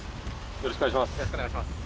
よろしくお願いします。